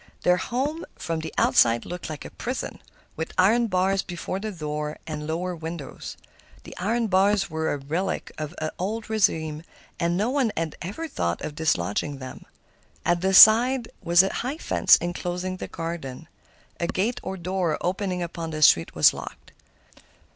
Their home from the outside looked like a prison, with iron bars before the door and lower windows. The iron bars were a relic of the old régime, and no one had ever thought of dislodging them. At the side was a high fence enclosing the garden. A gate or door opening upon the street was locked.